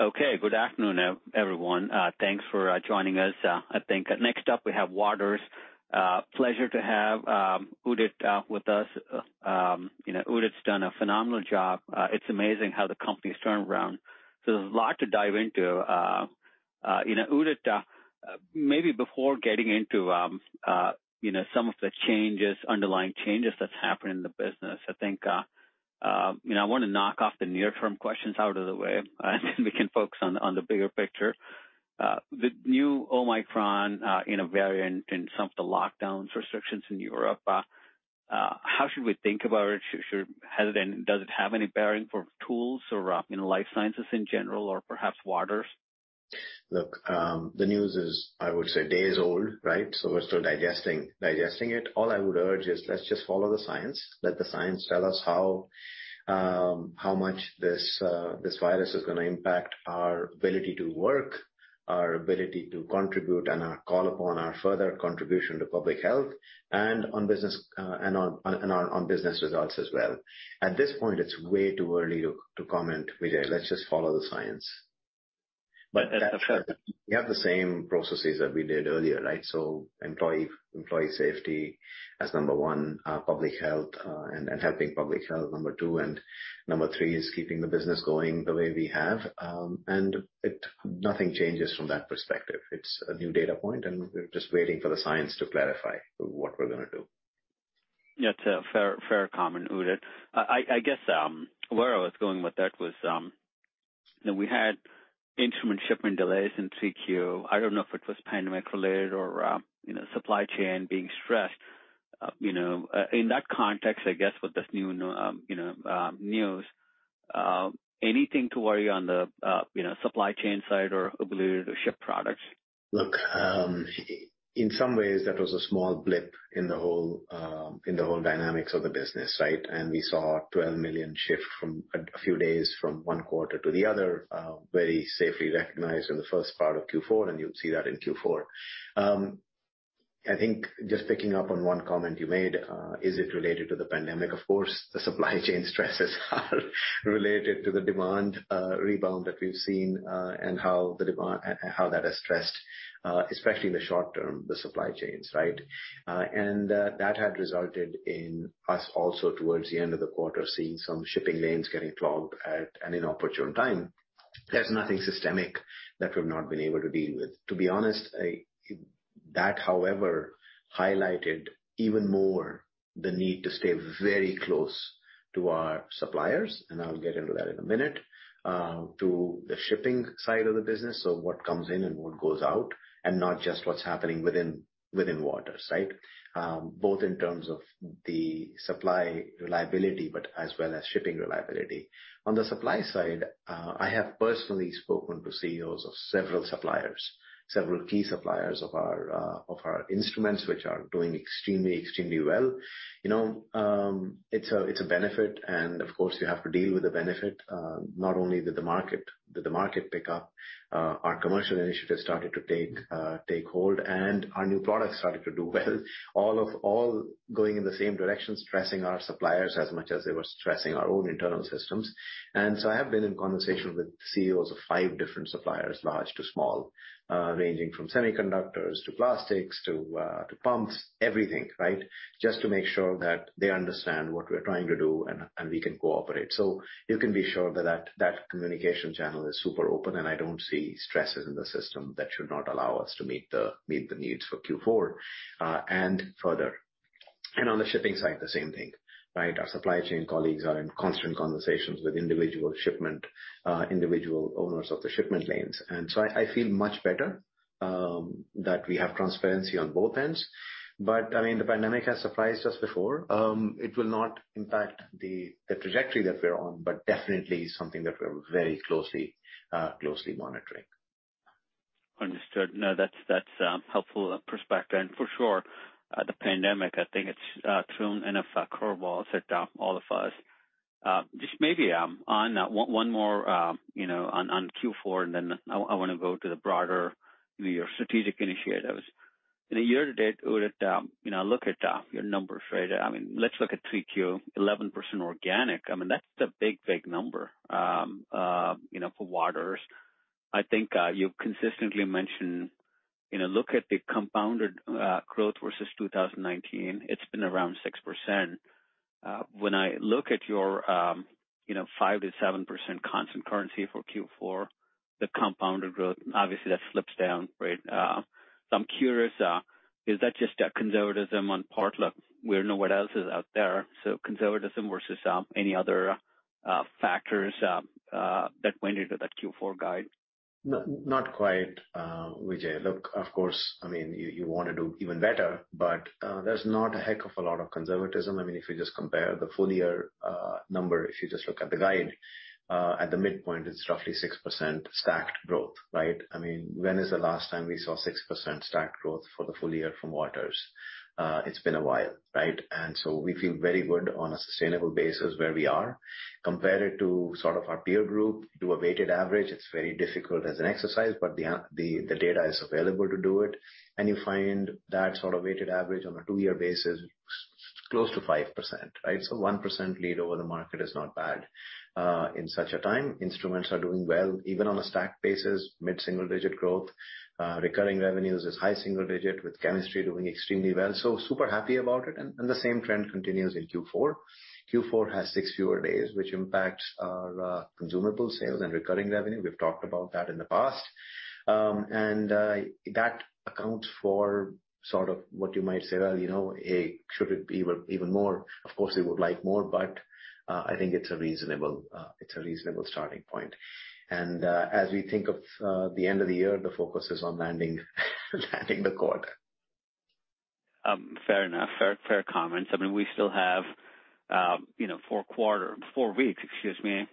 Okay, good afternoon, everyone. Thanks for joining us. I think next up we have Waters. Pleasure to have Udit with us. Udit's done a phenomenal job. It's amazing how the company's turned around. So there's a lot to dive into. Udit, maybe before getting into some of the changes, underlying changes that's happened in the business, I think I want to knock off the near-term questions out of the way, and then we can focus on the bigger picture. The new Omicron variant and some of the lockdowns, restrictions in Europe, how should we think about it? Does it have any bearing for tools or life sciences in general, or perhaps Waters? Look, the news is, I would say, days old, right? So we're still digesting it. All I would urge is let's just follow the science. Let the science tell us how much this virus is going to impact our ability to work, our ability to contribute, and our call upon our further contribution to public health and on business results as well. At this point, it's way too early to comment, Vijay. Let's just follow the science. But that's fair. We have the same processes that we did earlier, right, so employee safety as number one, public health and helping public health number two, and number three is keeping the business going the way we have, and nothing changes from that perspective. It's a new data point, and we're just waiting for the science to clarify what we're going to do. Yeah, fair comment, Udit. I guess where I was going with that was we had instrument shipment delays in 3Q. I don't know if it was pandemic-related or supply chain being stressed. In that context, I guess with this new news, anything to worry on the supply chain side or ability to ship products? Look, in some ways, that was a small blip in the whole dynamics of the business, right, and we saw a $12 million shift from a few days from one quarter to the other, very safely recognized in the first part of Q4, and you'll see that in Q4. I think just picking up on one comment you made, is it related to the pandemic? Of course, the supply chain stresses are related to the demand rebound that we've seen and how that has stressed, especially in the short term, the supply chains, right, and that had resulted in us also towards the end of the quarter seeing some shipping lanes getting clogged at an inopportune time. There's nothing systemic that we've not been able to deal with. To be honest, that, however, highlighted even more the need to stay very close to our suppliers, and I'll get into that in a minute, to the shipping side of the business, so what comes in and what goes out, and not just what's happening within Waters, right? Both in terms of the supply reliability, but as well as shipping reliability. On the supply side, I have personally spoken to CEOs of several suppliers, several key suppliers of our instruments, which are doing extremely, extremely well. It's a benefit, and of course, you have to deal with the benefit, not only did the market pick up, our commercial initiatives started to take hold, and our new products started to do well, all going in the same direction, stressing our suppliers as much as they were stressing our own internal systems. And so I have been in conversation with CEOs of five different suppliers, large to small, ranging from semiconductors to plastics to pumps, everything, right? Just to make sure that they understand what we're trying to do and we can cooperate. So you can be sure that that communication channel is super open, and I don't see stresses in the system that should not allow us to meet the needs for Q4 and further. And on the shipping side, the same thing, right? Our supply chain colleagues are in constant conversations with individual shipment, individual owners of the shipment lanes. And so I feel much better that we have transparency on both ends. But I mean, the pandemic has surprised us before. It will not impact the trajectory that we're on, but definitely something that we're very closely monitoring. Understood. No, that's a helpful perspective, and for sure, the pandemic, I think it's thrown in a curveball, set down all of us. Just maybe one more on Q4, and then I want to go to the broader, your strategic initiatives. Year to date, Udit, look at your numbers, right? I mean, let's look at 3Q, 11% organic. I mean, that's a big, big number for Waters. I think you consistently mention look at the compounded growth versus 2019. It's been around 6%. When I look at your 5%-7% constant currency for Q4, the compounded growth, obviously, that slips down, right? So I'm curious, is that just conservatism on your part? Look, we don't know what else is out there. So conservatism versus any other factors that went into that Q4 guide? Not quite, Vijay. Look, of course, I mean, you want to do even better, but there's not a heck of a lot of conservatism. I mean, if you just compare the full year number, if you just look at the guide, at the midpoint, it's roughly 6% stacked growth, right? I mean, when is the last time we saw 6% stacked growth for the full year from Waters? It's been a while, right? And so we feel very good on a sustainable basis where we are. Compare it to sort of our peer group, do a weighted average. It's very difficult as an exercise, but the data is available to do it. And you find that sort of weighted average on a two-year basis is close to 5%, right? So 1% lead over the market is not bad in such a time. Instruments are doing well, even on a stacked basis, mid-single-digit growth. Recurring revenues is high single-digit with chemistry doing extremely well. So super happy about it. And the same trend continues in Q4. Q4 has six fewer days, which impacts our consumable sales and recurring revenue. We've talked about that in the past. And that accounts for sort of what you might say, well, hey, should it be even more? Of course, we would like more, but I think it's a reasonable starting point. And as we think of the end of the year, the focus is on landing the quarter. Fair enough. Fair comments. I mean, we still have four quarters, four weeks, excuse me,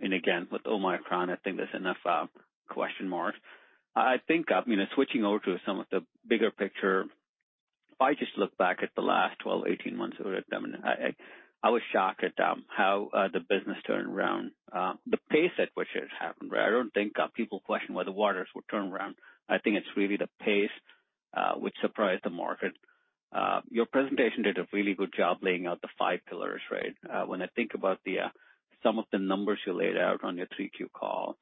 and again, with Omicron, I think there's enough question marks. I think switching over to some of the bigger picture, if I just look back at the last 12, 18 months, I was shocked at how the business turned around. The pace at which it happened, right? I don't think people question whether Waters would turn around. I think it's really the pace which surprised the market. Your presentation did a really good job laying out the five pillars, right? When I think about some of the numbers you laid out on your 3Q call,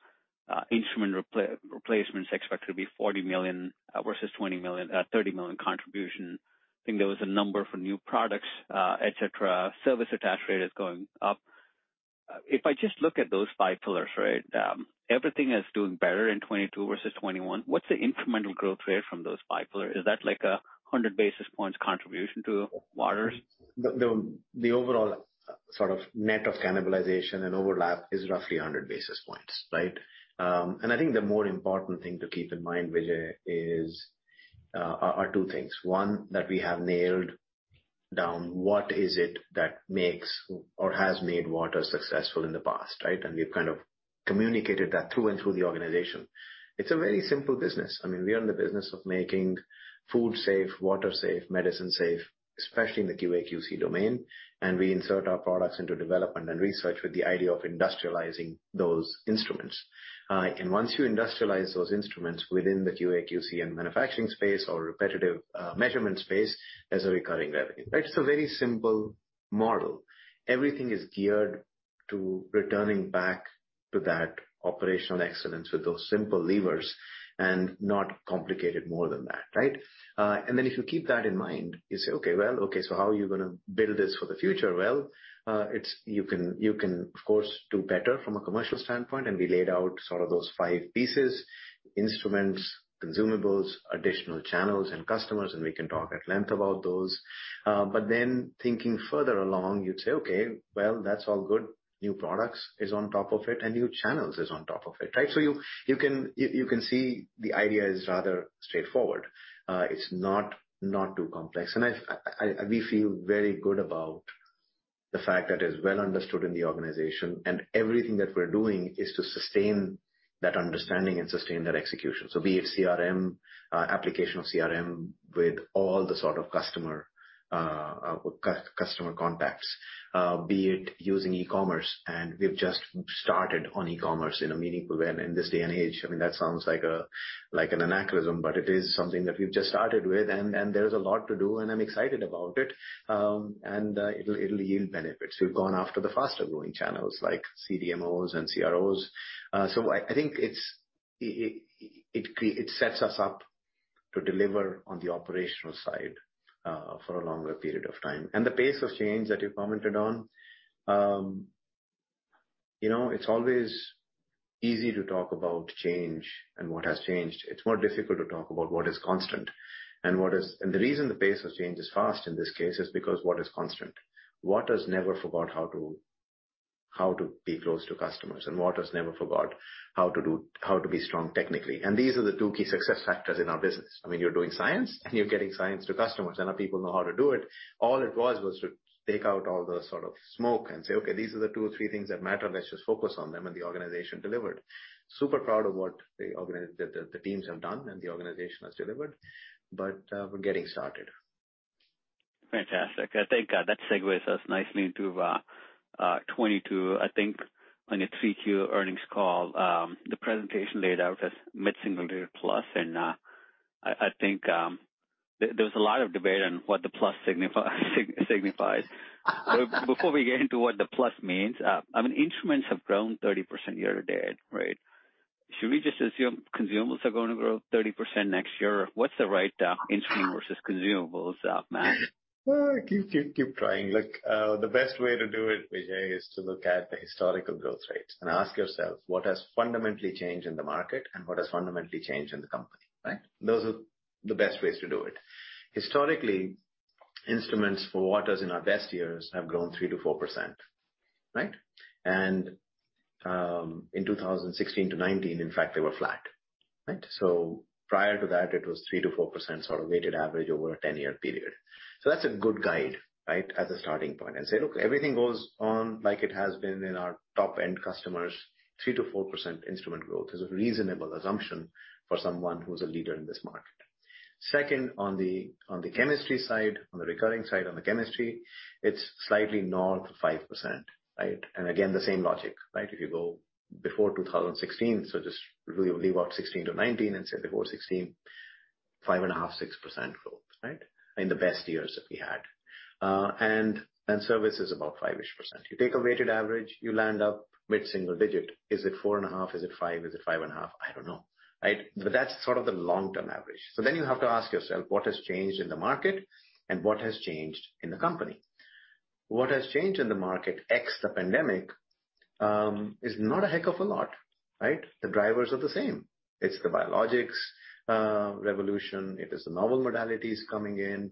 instrument replacements expected to be $40 million versus $30 million contribution. I think there was a number for new products, etc. Service attached rate is going up. If I just look at those five pillars, right? Everything is doing better in 2022 versus 2021. What's the incremental growth rate from those five pillars? Is that like a 100 basis points contribution to Waters? The overall sort of net of cannibalization and overlap is roughly 100 basis points, right? And I think the more important thing to keep in mind, Vijay, are two things. One, that we have nailed down what is it that makes or has made Waters successful in the past, right? And we've kind of communicated that through and through the organization. It's a very simple business. I mean, we are in the business of making food safe, water safe, medicine safe, especially in the QA/QC domain. And we insert our products into development and research with the idea of industrializing those instruments. And once you industrialize those instruments within the QA/QC and manufacturing space or repetitive measurement space, there's a recurring revenue, right? It's a very simple model. Everything is geared to returning back to that operational excellence with those simple levers and not complicated more than that, right? If you keep that in mind, you say, okay, well, okay, so how are you going to build this for the future? You can, of course, do better from a commercial standpoint, and we laid out sort of those five pieces: instruments, consumables, additional channels, and customers, and we can talk at length about those. Thinking further along, you'd say, okay, well, that's all good. New products is on top of it, and new channels is on top of it, right? You can see the idea is rather straightforward. It's not too complex. We feel very good about the fact that it is well understood in the organization, and everything that we're doing is to sustain that understanding and sustain that execution. Be it CRM, application of CRM with all the sort of customer contacts, be it using e-commerce. And we've just started on e-commerce in a meaningful way in this day and age. I mean, that sounds like an anachronism, but it is something that we've just started with, and there's a lot to do, and I'm excited about it, and it'll yield benefits. We've gone after the faster-growing channels like CDMOs and CROs. So I think it sets us up to deliver on the operational side for a longer period of time. And the pace of change that you commented on, it's always easy to talk about change and what has changed. It's more difficult to talk about what is constant. And the reason the pace of change is fast in this case is because what is constant? Waters never forgot how to be close to customers, and Waters never forgot how to be strong technically. And these are the two key success factors in our business. I mean, you're doing science, and you're getting science to customers, and our people know how to do it. All it was was to take out all the sort of smoke and say, okay, these are the two or three things that matter. Let's just focus on them, and the organization delivered. Super proud of what the teams have done and the organization has delivered, but we're getting started. Fantastic. I think that segues us nicely into 2022. I think on your 3Q earnings call, the presentation laid out as mid-single digit plus, and I think there was a lot of debate on what the plus signifies. Before we get into what the plus means, I mean, instruments have grown 30% year to date, right? Should we just assume consumables are going to grow 30% next year? What's the right instrument versus consumables math? Keep trying. Look, the best way to do it, Vijay, is to look at the historical growth rate and ask yourself, what has fundamentally changed in the market, and what has fundamentally changed in the company, right? Those are the best ways to do it. Historically, instruments for Waters in our best years have grown 3%-4%, right? And in 2016 to 2019, in fact, they were flat, right? So prior to that, it was 3%-4% sort of weighted average over a 10-year period. So that's a good guide, right, as a starting point. And say, look, everything goes on like it has been in our top-end customers, 3%-4% instrument growth is a reasonable assumption for someone who's a leader in this market. Second, on the chemistry side, on the recurring side on the chemistry, it's slightly north of 5%, right? And again, the same logic, right? If you go before 2016, so just leave out 2016 to 2019 and say before 2016, 5.5%-6% growth, right? In the best years that we had. And service is about 5%-ish. You take a weighted average, you land up mid-single digit. Is it 4.5%? Is it 5%? Is it 5.5%? I don't know, right? But that's sort of the long-term average. So then you have to ask yourself, what has changed in the market, and what has changed in the company? What has changed in the market ex the pandemic is not a heck of a lot, right? The drivers are the same. It's the biologics revolution. It is the novel modalities coming in.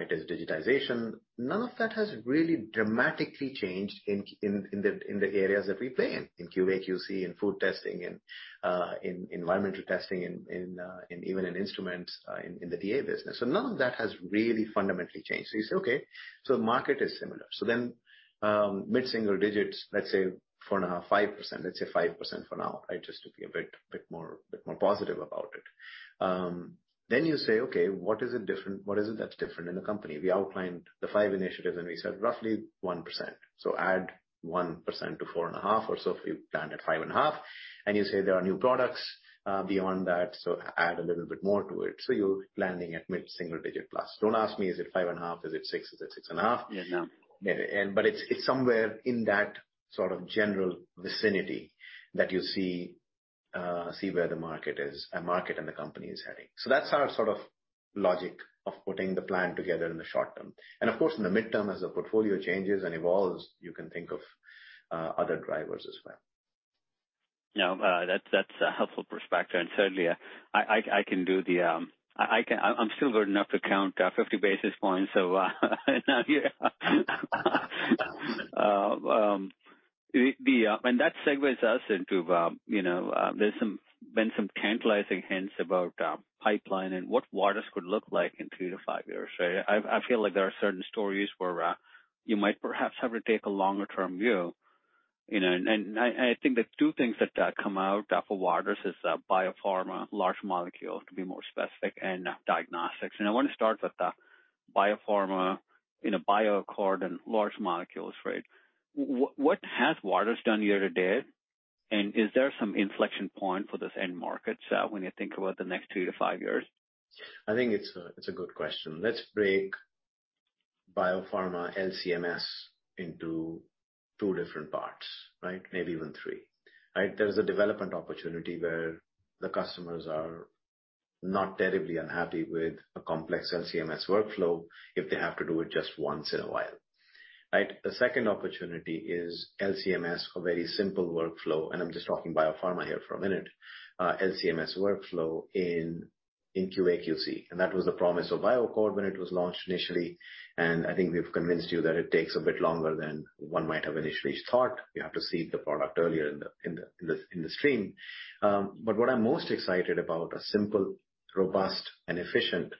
It is digitization. None of that has really dramatically changed in the areas that we play in, in QA/QC, in food testing, in environmental testing, and even in instruments in the TA business, so none of that has really fundamentally changed, so you say, okay, so the market is similar, so then mid-single digits, let's say 5%, let's say 5% for now, right? Just to be a bit more positive about it, then you say, okay, what is it different? What is it that's different in the company? We outlined the five initiatives, and we said roughly 1%, so add 1% to 4.5% or so if you land at 5.5%, and you say there are new products beyond that, so add a little bit more to it, so you're landing at mid-single digit plus. Don't ask me, is it 5.5%? Is it 6%? Is it 6.5%? Yeah, no. But it's somewhere in that sort of general vicinity that you see where the market is, and the company is heading. So that's our sort of logic of putting the plan together in the short term. And of course, in the midterm, as the portfolio changes and evolves, you can think of other drivers as well. Now, that's a helpful perspective. And certainly, I can do. I'm still good enough to count 50 basis points of value. And that segues us into. There's been some tantalizing hints about pipeline and what Waters could look like in three-to-five years, right? I feel like there are certain stories where you might perhaps have to take a longer-term view. And I think the two things that come out for Waters is biopharma, large molecule, to be more specific, and diagnostics. And I want to start with biopharma in a BioAccord and large molecules, right? What has Waters done year to date? And is there some inflection point for this end market when you think about the next three-to-five years? I think it's a good question. Let's break biopharma LC-MS into two different parts, right? Maybe even three, right? There's a development opportunity where the customers are not terribly unhappy with a complex LC-MS workflow if they have to do it just once in a while, right? The second opportunity is LC-MS, a very simple workflow, and I'm just talking biopharma here for a minute, LC-MS workflow in QA/QC. And that was the promise of BioAccord when it was launched initially. And I think we've convinced you that it takes a bit longer than one might have initially thought. You have to seed the product earlier in the stream. But what I'm most excited about are simple, robust, and efficient.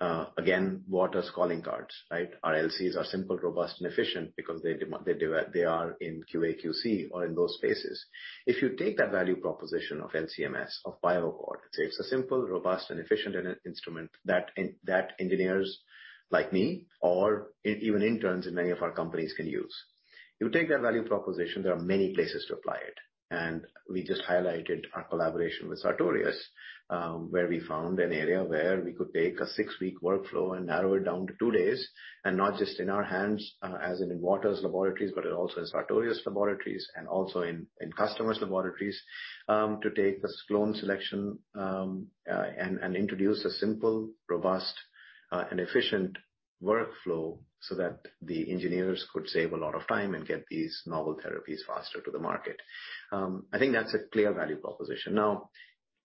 Again, Waters Calling Cards, right? Our LCs are simple, robust, and efficient because they are in QA/QC or in those spaces. If you take that value proposition of LC-MS, of BioAccord, it's a simple, robust, and efficient instrument that engineers like me or even interns in many of our companies can use. You take that value proposition, there are many places to apply it, and we just highlighted our collaboration with Sartorius, where we found an area where we could take a six-week workflow and narrow it down to two days, and not just in our hands as in Waters laboratories, but also in Sartorius laboratories and also in customers' laboratories to take the clone selection and introduce a simple, robust, and efficient workflow so that the engineers could save a lot of time and get these novel therapies faster to the market. I think that's a clear value proposition. Now,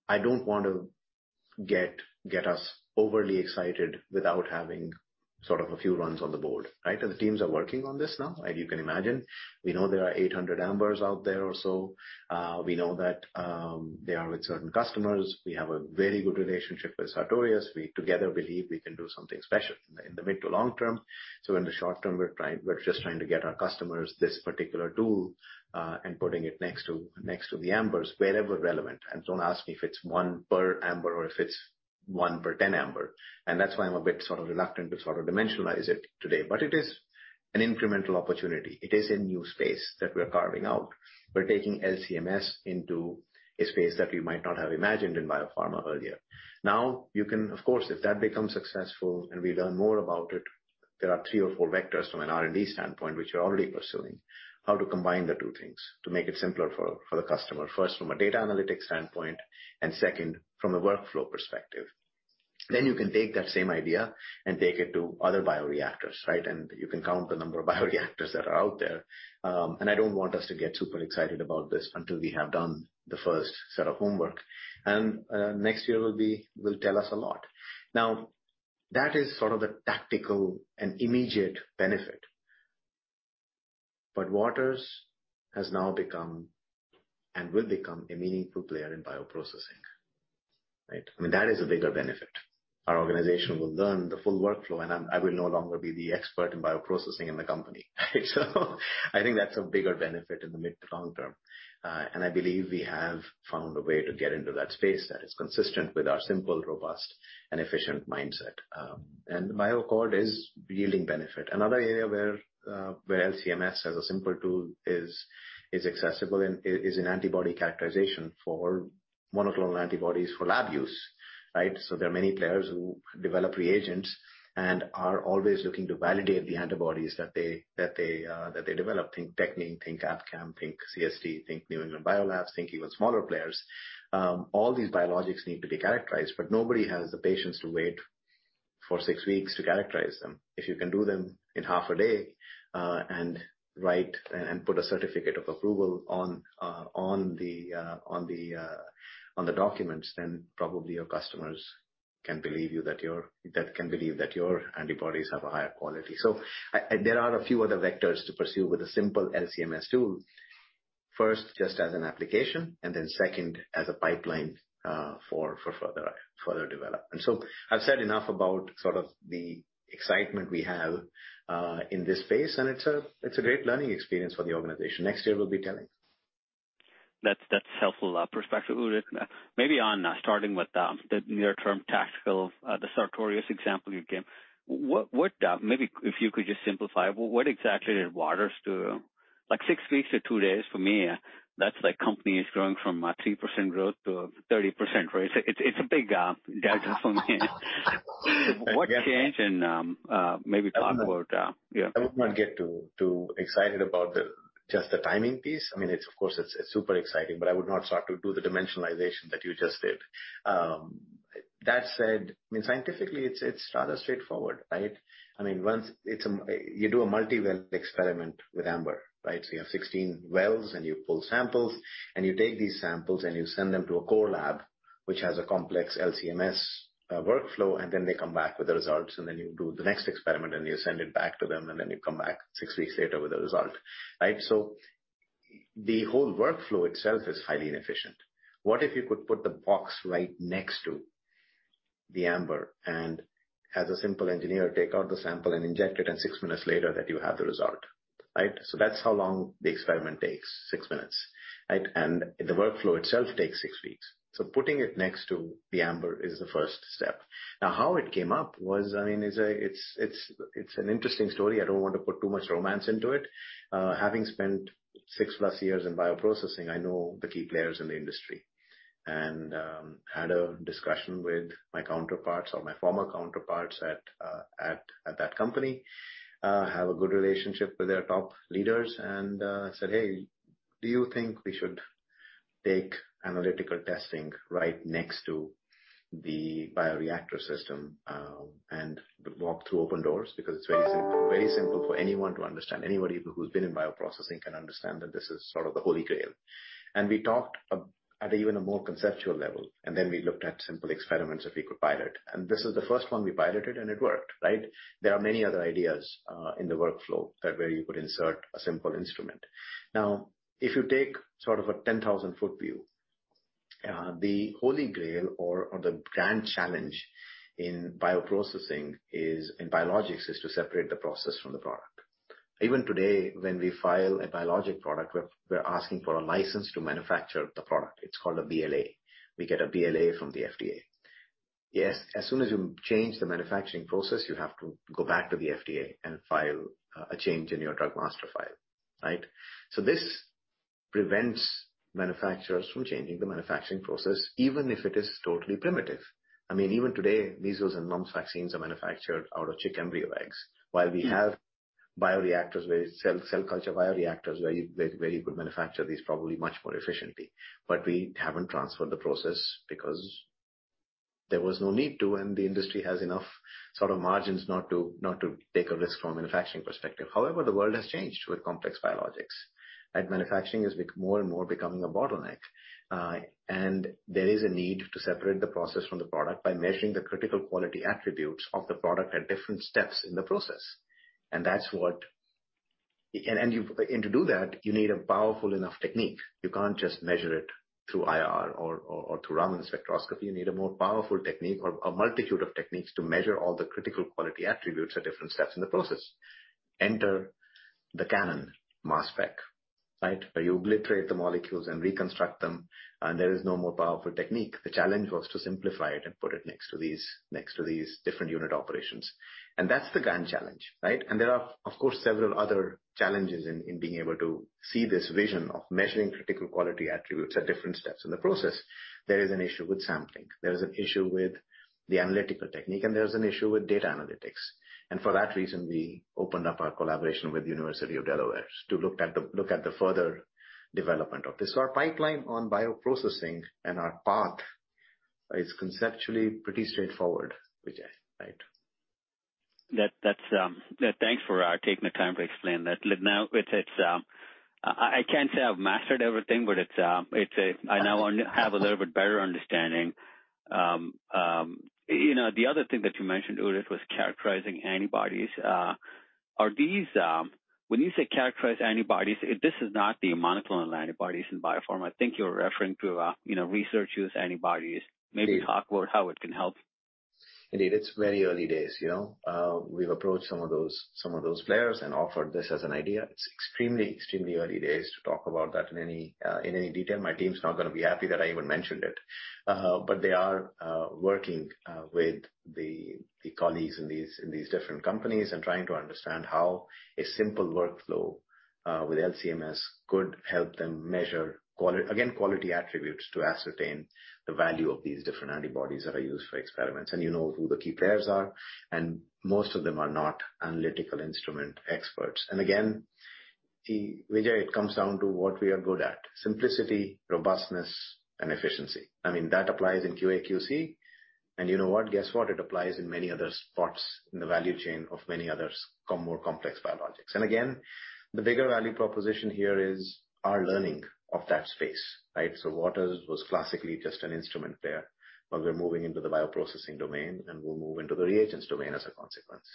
I don't want to get us overly excited without having sort of a few runs on the board, right? And the teams are working on this now. And you can imagine, we know there are 800 Ambrs out there or so. We know that they are with certain customers. We have a very good relationship with Sartorius. We together believe we can do something special in the mid to long term. So in the short term, we're just trying to get our customers this particular tool and putting it next to the Ambrs wherever relevant. And don't ask me if it's one per Ambr or if it's one per 10 Ambr. And that's why I'm a bit sort of reluctant to sort of dimensionalize it today. But it is an incremental opportunity. It is a new space that we're carving out. We're taking LC-MS into a space that we might not have imagined in biopharma earlier. Now, you can, of course, if that becomes successful and we learn more about it, there are three or four vectors from an R&D standpoint, which you're already pursuing, how to combine the two things to make it simpler for the customer, first from a data analytics standpoint and second from a workflow perspective. Then you can take that same idea and take it to other bioreactors, right? And you can count the number of bioreactors that are out there. And I don't want us to get super excited about this until we have done the first set of homework. And next year will tell us a lot. Now, that is sort of the tactical and immediate benefit. But Waters has now become and will become a meaningful player in bioprocessing, right? I mean, that is a bigger benefit. Our organization will learn the full workflow, and I will no longer be the expert in bioprocessing in the company. So I think that's a bigger benefit in the mid to long term. And I believe we have found a way to get into that space that is consistent with our simple, robust, and efficient mindset. And BioAccord is yielding benefit. Another area where LC-MS as a simple tool is accessible is in antibody characterization for monoclonal antibodies for lab use, right? So there are many players who develop reagents and are always looking to validate the antibodies that they develop: Think Bio-Techne, Think Abcam, Think CST, Think New England Biolabs, Think even smaller players. All these biologics need to be characterized, but nobody has the patience to wait for six weeks to characterize them. If you can do them in half a day and write and put a certificate of approval on the documents, then probably your customers can believe that your antibodies have a higher quality. So there are a few other vectors to pursue with a simple LC-MS tool. First, just as an application, and then second as a pipeline for further development. So I've said enough about sort of the excitement we have in this space, and it's a great learning experience for the organization. Next year, we'll be telling. That's a helpful perspective. Maybe, starting with the near-term tactical, the Sartorius example you gave, maybe if you could just simplify, what exactly did Waters do? Like six weeks to two days, for me, that's like companies growing from 3% growth to 30%, right? It's a big deal for me. What changed and maybe talk about. I would not get too excited about just the timing piece. I mean, of course, it's super exciting, but I would not start to do the dimensionalization that you just did. That said, I mean, scientifically, it's rather straightforward, right? I mean, you do a multi-well experiment with Ambr, right? So you have 16 wells, and you pull samples, and you take these samples, and you send them to a core lab, which has a complex LC-MS workflow, and then they come back with the results, and then you do the next experiment, and you send it back to them, and then you come back six weeks later with the result, right? So the whole workflow itself is highly inefficient. What if you could put the box right next to the Ambr and, as a simple engineer, take out the sample and inject it, and six minutes later, you have the result, right? So that's how long the experiment takes, six minutes, right? And the workflow itself takes six weeks. So putting it next to the Ambr is the first step. Now, how it came up was, I mean, it's an interesting story. I don't want to put too much romance into it. Having spent six plus years in bioprocessing, I know the key players in the industry and had a discussion with my counterparts or my former counterparts at that company. I have a good relationship with their top leaders and said, "Hey, do you think we should take analytical testing right next to the bioreactor system and walk through open doors?" Because it's very simple for anyone to understand. Anybody who's been in bioprocessing can understand that this is sort of the holy grail. And we talked at even a more conceptual level, and then we looked at simple experiments if we could pilot it. And this is the first one we piloted, and it worked, right? There are many other ideas in the workflow where you could insert a simple instrument. Now, if you take sort of a 10,000-foot view, the holy grail or the grand challenge in bioprocessing in biologics is to separate the process from the product. Even today, when we file a biologic product, we're asking for a license to manufacture the product. It's called a BLA. We get a BLA from the FDA. As soon as you change the manufacturing process, you have to go back to the FDA and file a change in your drug master file, right? So this prevents manufacturers from changing the manufacturing process, even if it is totally primitive. I mean, even today, measles and mumps vaccines are manufactured out of chick embryo eggs, while we have bioreactors where cell culture where you could manufacture these probably much more efficiently. But we haven't transferred the process because there was no need to, and the industry has enough sort of margins not to take a risk from a manufacturing perspective. However, the world has changed with complex biologics. Manufacturing is more and more becoming a bottleneck, and there is a need to separate the process from the product by measuring the critical quality attributes of the product at different steps in the process. And to do that, you need a powerful enough technique. You can't just measure it through IR or through Raman spectroscopy. You need a more powerful technique or a multitude of techniques to measure all the critical quality attributes at different steps in the process. Enter the tandem mass spec, right? You obliterate the molecules and reconstruct them, and there is no more powerful technique. The challenge was to simplify it and put it next to these different unit operations. And that's the grand challenge, right? And there are, of course, several other challenges in being able to see this vision of measuring critical quality attributes at different steps in the process. There is an issue with sampling. There is an issue with the analytical technique, and there is an issue with data analytics. And for that reason, we opened up our collaboration with the University of Delaware to look at the further development of this. So our pipeline on bioprocessing and our path is conceptually pretty straightforward, which I. Thanks for taking the time to explain that. Now, I can't say I've mastered everything, but I now have a little bit better understanding. The other thing that you mentioned, Udit, was characterizing antibodies. When you say characterize antibodies, this is not the monoclonal antibodies in biopharma. I think you were referring to research-use antibodies. Maybe talk about how it can help. Indeed. It's very early days. We've approached some of those players and offered this as an idea. It's extremely, extremely early days to talk about that in any detail. My team's not going to be happy that I even mentioned it, but they are working with the colleagues in these different companies and trying to understand how a simple workflow with LC-MS could help them measure, again, quality attributes to ascertain the value of these different antibodies that are used for experiments, and you know who the key players are, and most of them are not analytical instrument experts, and again, Vijay, it comes down to what we are good at: simplicity, robustness, and efficiency. I mean, that applies in QA/QC, and you know what? Guess what? It applies in many other spots in the value chain of many other more complex biologics. Again, the bigger value proposition here is our learning of that space, right? So Waters was classically just an instrument player, but we're moving into the bioprocessing domain, and we'll move into the reagents domain as a consequence.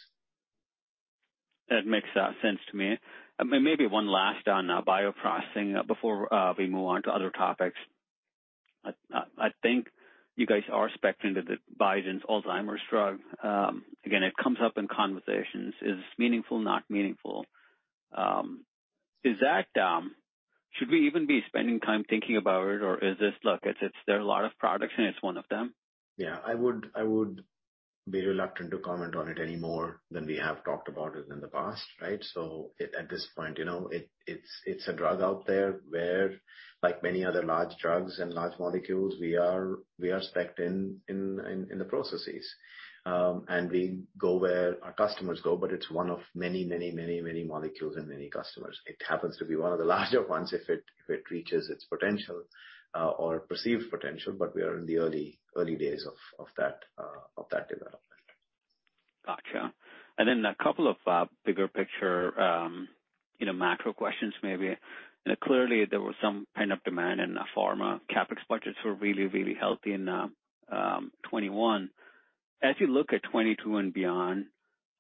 That makes sense to me. Maybe one last on bioprocessing before we move on to other topics. I think you guys are referring to the Biogen's Alzheimer's drug. Again, it comes up in conversations. Is it meaningful, not meaningful? Should we even be spending time thinking about it, or is this, look, there are a lot of products, and it's one of them? Yeah. I would be reluctant to comment on it any more than we have talked about it in the past, right? So at this point, it's a drug out there where, like many other large drugs and large molecules, we are specced in the processes. And we go where our customers go, but it's one of many, many, many, many molecules and many customers. It happens to be one of the larger ones if it reaches its potential or perceived potential, but we are in the early days of that development. Gotcha. And then a couple of bigger picture macro questions maybe. Clearly, there was some pent-up demand in pharma. CapEx budgets were really, really healthy in 2021. As you look at 2022 and beyond,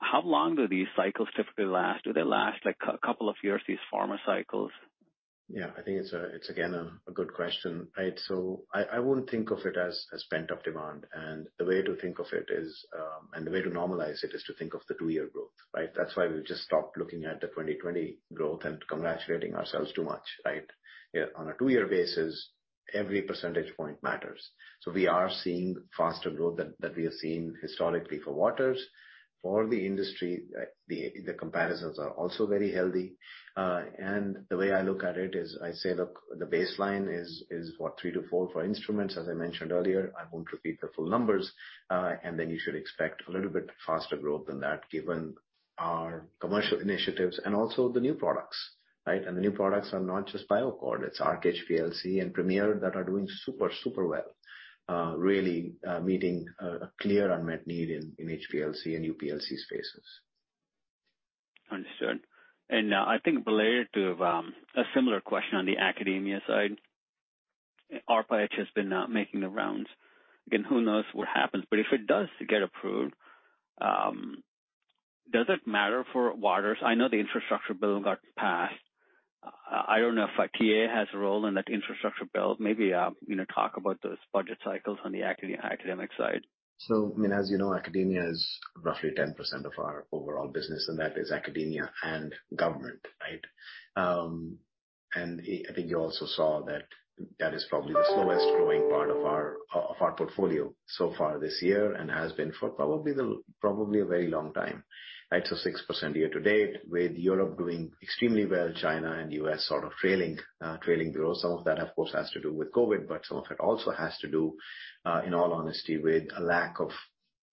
how long do these cycles typically last? Do they last like a couple of years, these pharma cycles? Yeah. I think it's, again, a good question, right? So I wouldn't think of it as pent-up demand, and the way to think of it is, and the way to normalize it is to think of the two-year growth, right? That's why we've just stopped looking at the 2020 growth and congratulating ourselves too much, right? On a two-year basis, every percentage point matters. So we are seeing faster growth than we have seen historically for Waters. For the industry, the comparisons are also very healthy, and the way I look at it is I say, look, the baseline is, what, three-to-four for instruments, as I mentioned earlier. I won't repeat the full numbers, and then you should expect a little bit faster growth than that given our commercial initiatives and also the new products, right? And the new products are not just BioAccord. It's Arc HPLC and Premier that are doing super, super well, really meeting a clear unmet need in HPLC and UPLC spaces. Understood. And I think related to a similar question on the academia side, ARPA-H has been making the rounds. Again, who knows what happens? But if it does get approved, does it matter for Waters? I know the infrastructure bill got passed. I don't know if TA has a role in that infrastructure bill. Maybe talk about those budget cycles on the academic side. So, I mean, as you know, academia is roughly 10% of our overall business, and that is academia and government, right? And I think you also saw that that is probably the slowest growing part of our portfolio so far this year and has been for probably a very long time, right? So 6% year to date, with Europe doing extremely well, China and U.S. sort of trailing growth. Some of that, of course, has to do with COVID, but some of it also has to do, in all honesty, with a lack of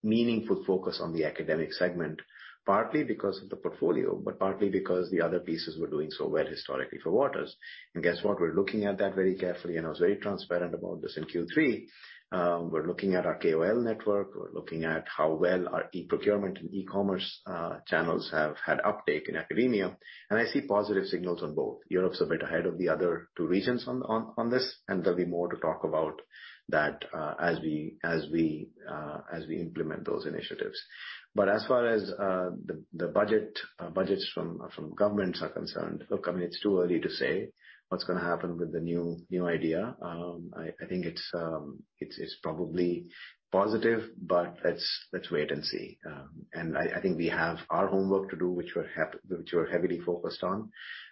meaningful focus on the academic segment, partly because of the portfolio, but partly because the other pieces were doing so well historically for Waters. And guess what? We're looking at that very carefully, and I was very transparent about this in Q3. We're looking at our KOL network. We're looking at how well our e-procurement and e-commerce channels have had uptake in academia, and I see positive signals on both. Europe's a bit ahead of the other two regions on this, and there'll be more to talk about that as we implement those initiatives, but as far as the budgets from governments are concerned, look, I mean, it's too early to say what's going to happen with the new NIH. I think it's probably positive, but let's wait and see, and I think we have our homework to do, which we're heavily focused on,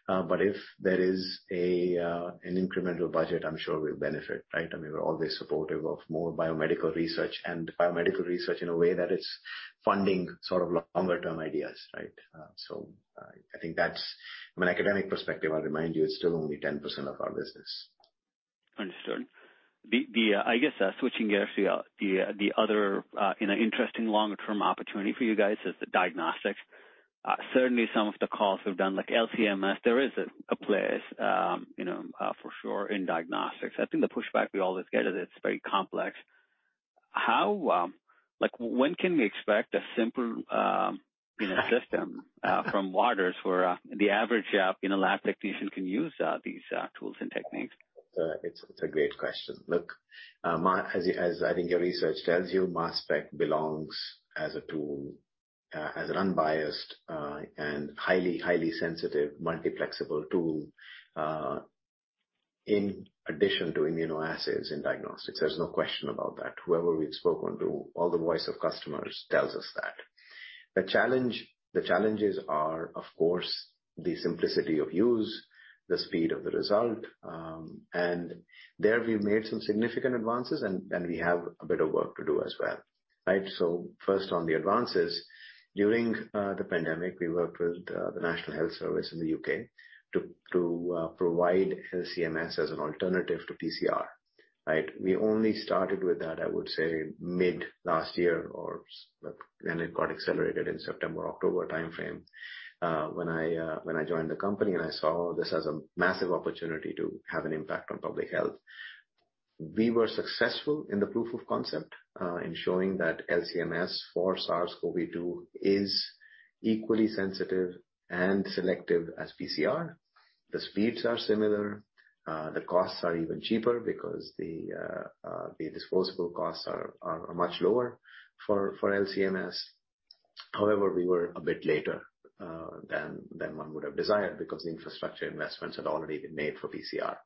but if there is an incremental budget, I'm sure we'll benefit, right? I mean, we're always supportive of more biomedical research and biomedical research in a way that it's funding sort of longer-term ideas, right? So I think that's, from an academic perspective, I'll remind you, it's still only 10% of our business. Understood. I guess switching gears to the other interesting longer-term opportunity for you guys is the diagnostics. Certainly, some of the calls we've done like LC-MS, there is a place for sure in diagnostics. I think the pushback we always get is it's very complex. When can we expect a simple system from Waters where the average lab technician can use these tools and techniques? It's a great question. Look, as I think your research tells you, mass spec belongs as an unbiased and highly, highly sensitive, multiplexable tool in addition to immunoassays in diagnostics. There's no question about that. Whoever we've spoken to, all the voice of customers tells us that. The challenges are, of course, the simplicity of use, the speed of the result. And there, we've made some significant advances, and we have a bit of work to do as well, right? So first, on the advances, during the pandemic, we worked with the National Health Service in the U.K. to provide LC-MS as an alternative to PCR, right? We only started with that, I would say, mid last year or when it got accelerated in September, October timeframe when I joined the company and I saw this as a massive opportunity to have an impact on public health. We were successful in the proof of concept in showing that LC-MS for SARS-CoV-2 is equally sensitive and selective as PCR. The speeds are similar. The costs are even cheaper because the disposable costs are much lower for LC-MS. However, we were a bit later than one would have desired because the infrastructure investments had already been made for PCR,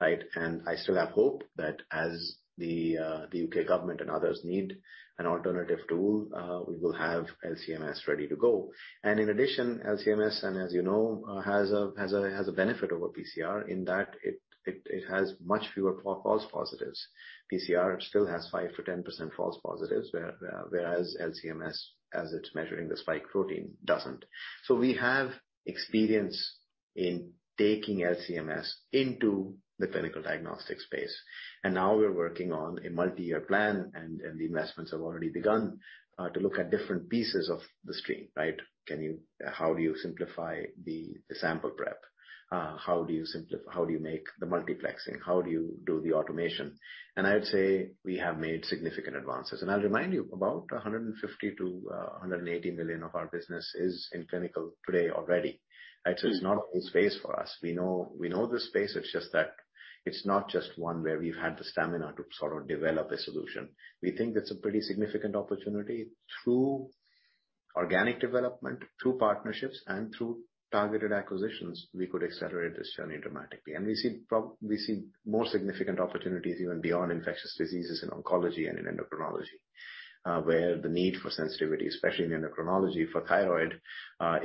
right? And I still have hope that as the U.K. government and others need an alternative tool, we will have LC-MS ready to go. And in addition, LC-MS, and as you know, has a benefit over PCR in that it has much fewer false positives. PCR still has 5%-10% false positives, whereas LC-MS, as it's measuring the spike protein, doesn't. So we have experience in taking LC-MS into the clinical diagnostic space. Now we're working on a multi-year plan, and the investments have already begun to look at different pieces of the stream, right? How do you simplify the sample prep? How do you make the multiplexing? How do you do the automation? I would say we have made significant advances. I'll remind you about $150 million-$180 million of our business is in clinical today already, right? So it's not a whole space for us. We know this space. It's just that it's not just one where we've had the stamina to sort of develop a solution. We think it's a pretty significant opportunity through organic development, through partnerships, and through targeted acquisitions. We could accelerate this journey dramatically. And we see more significant opportunities even beyond infectious diseases in oncology and in endocrinology, where the need for sensitivity, especially in endocrinology for thyroid,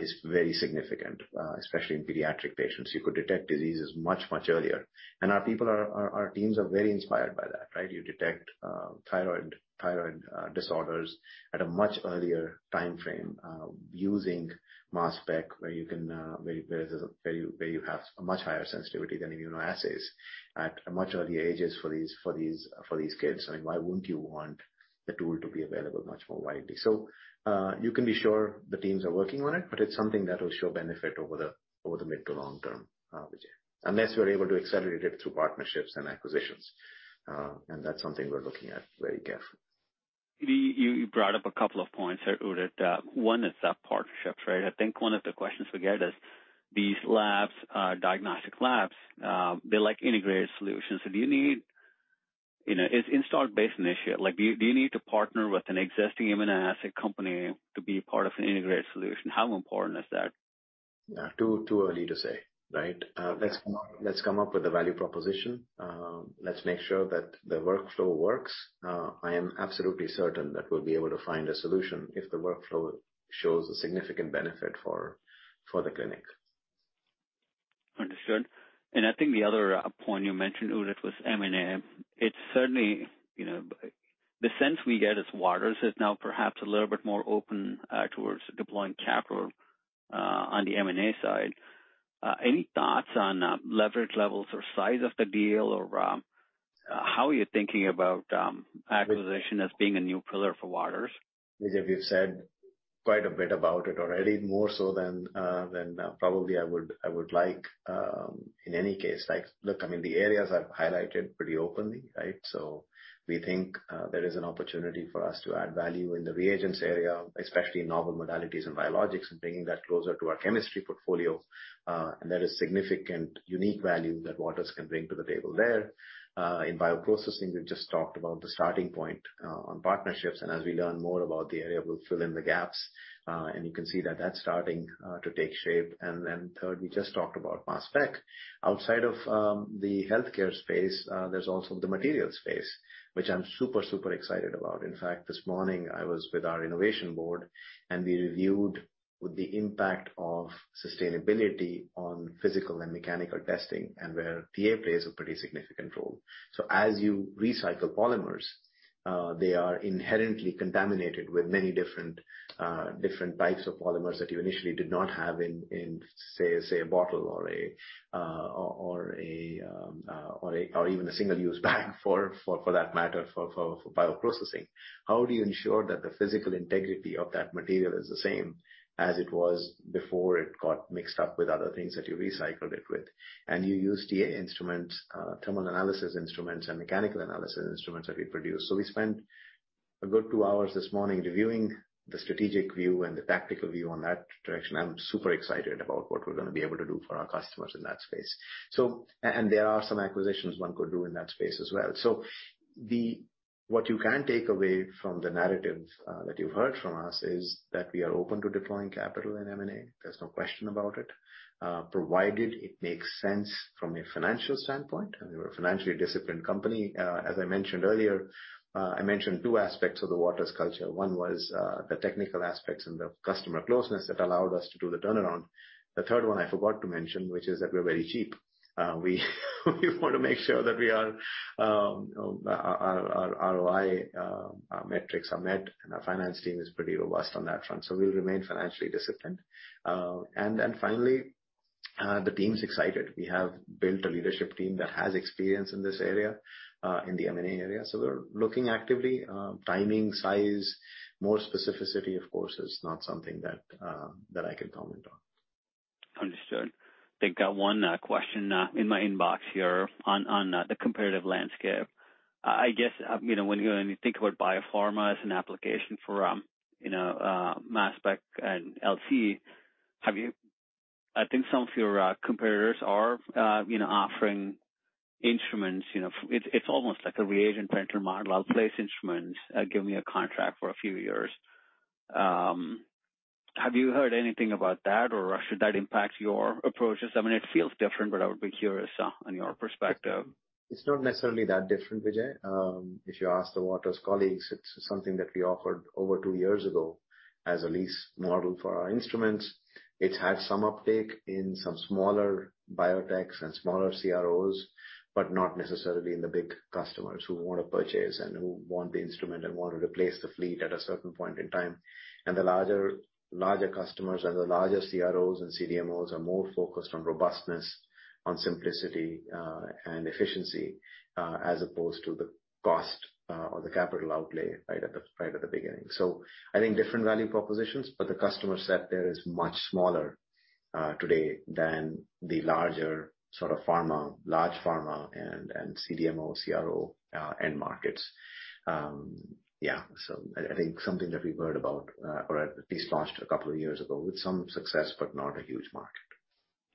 is very significant, especially in pediatric patients. You could detect diseases much, much earlier. And our teams are very inspired by that, right? You detect thyroid disorders at a much earlier timeframe using mass spec, where you have a much higher sensitivity than immunoassays at much earlier ages for these kids. I mean, why wouldn't you want the tool to be available much more widely? So you can be sure the teams are working on it, but it's something that will show benefit over the mid to long term, unless we're able to accelerate it through partnerships and acquisitions. And that's something we're looking at very carefully. You brought up a couple of points, Udit. One is that partnerships, right? I think one of the questions we get is these labs, diagnostic labs, they like integrated solutions. So do you need an installed-base initiative? Do you need to partner with an existing immunoassay company to be part of an integrated solution? How important is that? Yeah. Too early to say, right? Let's come up with a value proposition. Let's make sure that the workflow works. I am absolutely certain that we'll be able to find a solution if the workflow shows a significant benefit for the clinic. Understood. And I think the other point you mentioned, Udit, was M&A. It's certainly the sense we get is Waters is now perhaps a little bit more open towards deploying capital on the M&A side. Any thoughts on leverage levels or size of the deal or how you're thinking about acquisition as being a new pillar for Waters? Vijay, we've said quite a bit about it already, more so than probably I would like. In any case, look, I mean, the areas I've highlighted pretty openly, right? So we think there is an opportunity for us to add value in the reagents area, especially in novel modalities and biologics, and bringing that closer to our chemistry portfolio. And there is significant unique value that Waters can bring to the table there. In bioprocessing, we've just talked about the starting point on partnerships. And as we learn more about the area, we'll fill in the gaps. And you can see that that's starting to take shape. And then third, we just talked about mass spec. Outside of the healthcare space, there's also the materials space, which I'm super, super excited about. In fact, this morning, I was with our Innovation Board, and we reviewed the impact of sustainability on physical and mechanical testing and where TA plays a pretty significant role. So as you recycle polymers, they are inherently contaminated with many different types of polymers that you initially did not have in, say, a bottle or even a single-use bag, for that matter, for bioprocessing. How do you ensure that the physical integrity of that material is the same as it was before it got mixed up with other things that you recycled it with? And you use TA Instruments, thermal analysis instruments, and mechanical analysis instruments that we produce. So we spent a good two hours this morning reviewing the strategic view and the tactical view on that direction. I'm super excited about what we're going to be able to do for our customers in that space. There are some acquisitions one could do in that space as well. What you can take away from the narrative that you've heard from us is that we are open to deploying capital in M&A. There's no question about it, provided it makes sense from a financial standpoint. I mean, we're a financially disciplined company. As I mentioned earlier, I mentioned two aspects of the Waters culture. One was the technical aspects and the customer closeness that allowed us to do the turnaround. The third one I forgot to mention, which is that we're very cheap. We want to make sure that our ROI metrics are met, and our finance team is pretty robust on that front. We'll remain financially disciplined. Then finally, the team's excited. We have built a leadership team that has experience in this area, in the M&A area. We're looking actively. Timing, size, more specificity, of course, is not something that I can comment on. Understood. I think I got one question in my inbox here on the comparative landscape. I guess when you think about biopharma as an application for mass spec and LC, I think some of your competitors are offering instruments. It's almost like a reagent printer model. I'll place instruments, give me a contract for a few years. Have you heard anything about that, or should that impact your approaches? I mean, it feels different, but I would be curious on your perspective. It's not necessarily that different, Vijay. If you ask the Waters colleagues, it's something that we offered over two years ago as a lease model for our instruments. It's had some uptake in some smaller biotechs and smaller CROs, but not necessarily in the big customers who want to purchase and who want the instrument and want to replace the fleet at a certain point in time. And the larger customers and the larger CROs and CDMOs are more focused on robustness, on simplicity, and efficiency as opposed to the cost or the capital outlay right at the beginning. So I think different value propositions, but the customer set there is much smaller today than the larger sort of pharma, large pharma, and CDMO, CRO end markets. Yeah. So I think something that we've heard about, or at least launched a couple of years ago with some success, but not a huge market.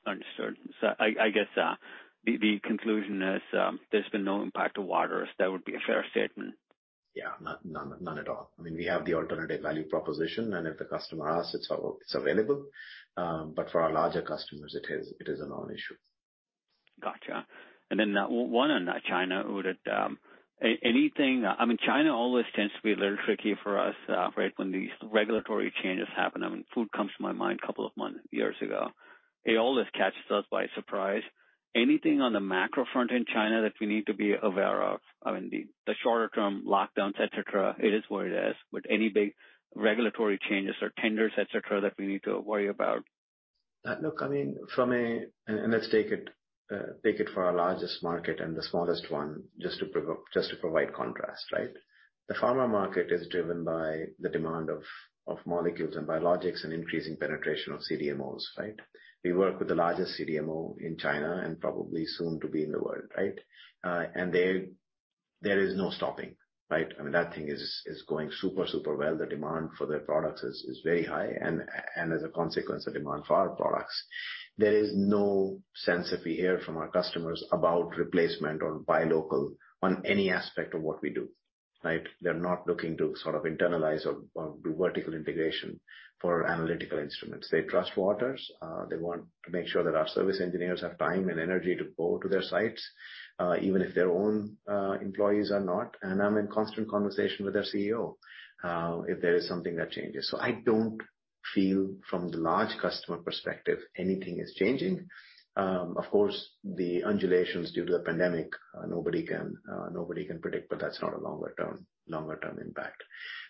Understood. So I guess the conclusion is there's been no impact to Waters. That would be a fair statement. Yeah. None at all. I mean, we have the alternative value proposition, and if the customer asks, it's available. But for our larger customers, it is a non-issue. Gotcha. And then one on China, Udit. I mean, China always tends to be a little tricky for us, right? When these regulatory changes happen, I mean, food comes to my mind a couple of years ago. It always catches us by surprise. Anything on the macro front in China that we need to be aware of? I mean, the shorter-term lockdowns, etc., it is what it is. But any big regulatory changes or tenders, etc., that we need to worry about? Look, I mean, let's take it for our largest market and the smallest one just to provide contrast, right? The pharma market is driven by the demand of molecules and biologics and increasing penetration of CDMOs, right? We work with the largest CDMO in China and probably soon to be in the world, right? And there is no stopping, right? I mean, that thing is going super, super well. The demand for their products is very high. And as a consequence, the demand for our products, there is no sense if we hear from our customers about replacement or buy local on any aspect of what we do, right? They're not looking to sort of internalize or do vertical integration for analytical instruments. They trust Waters. They want to make sure that our service engineers have time and energy to go to their sites, even if their own employees are not. And I'm in constant conversation with their CEO if there is something that changes. So I don't feel from the large customer perspective anything is changing. Of course, the undulations due to the pandemic, nobody can predict, but that's not a longer-term impact.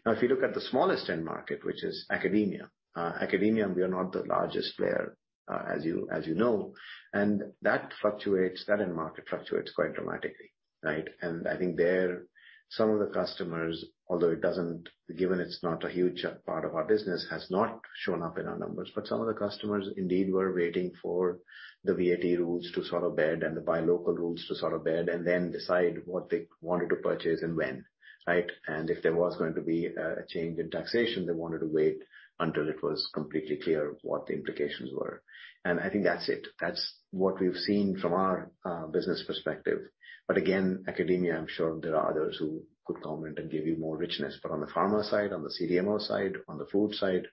Now, if you look at the smallest end market, which is academia, we are not the largest player, as you know. And that fluctuates. That end market fluctuates quite dramatically, right? And I think that some of the customers, although it doesn't (given it's not a huge part of our business) has not shown up in our numbers. But some of the customers indeed were waiting for the VAT rules to sort of bed in and the buy local rules to sort of bed in and then decide what they wanted to purchase and when, right? And if there was going to be a change in taxation, they wanted to wait until it was completely clear what the implications were. And I think that's it. That's what we've seen from our business perspective. But again, academia, I'm sure there are others who could comment and give you more richness. But on the pharma side, on the CDMO side, on the food side,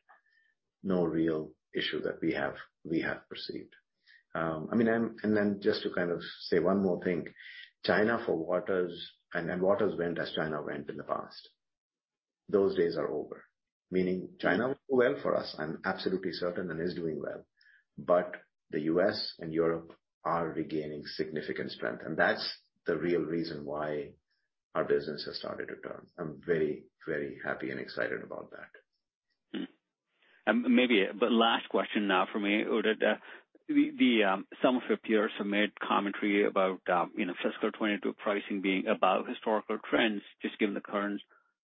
no real issue that we have perceived. I mean, and then just to kind of say one more thing, China for Waters, and Waters went as China went in the past. Those days are over. Meaning China will do well for us. I'm absolutely certain and is doing well. But the U.S. and Europe are regaining significant strength. And that's the real reason why our business has started to turn. I'm very, very happy and excited about that. Maybe last question now for me, Udit. Some of your peers have made commentary about fiscal 2022 pricing being above historical trends, just given the current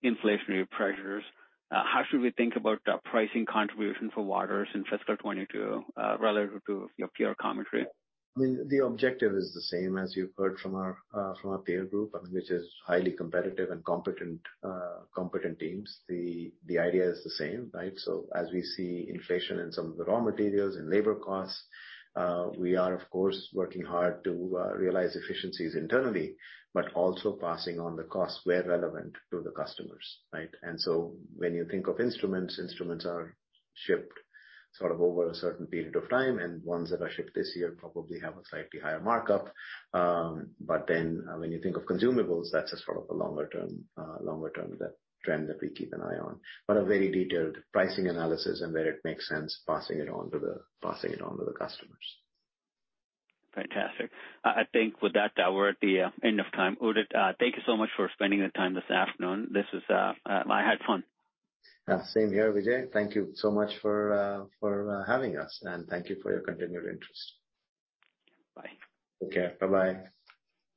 inflationary pressures. How should we think about pricing contribution for Waters in fiscal 2022 relative to your peer commentary? I mean, the objective is the same as you've heard from our peer group, which is highly competitive and competent teams. The idea is the same, right? So as we see inflation in some of the raw materials and labor costs, we are, of course, working hard to realize efficiencies internally, but also passing on the costs where relevant to the customers, right? And so when you think of instruments, instruments are shipped sort of over a certain period of time, and ones that are shipped this year probably have a slightly higher markup. But then when you think of consumables, that's just sort of a longer-term trend that we keep an eye on. But a very detailed pricing analysis and where it makes sense, passing it on to the customers. Fantastic. I think with that, we're at the end of time. Udit, thank you so much for spending the time this afternoon. I had fun. Same here, Vijay. Thank you so much for having us, and thank you for your continued interest. Bye. Take care. Bye-bye.